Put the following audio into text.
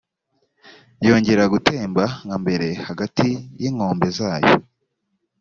yongera gutemba nka mbere hagati y’inkombe zayo.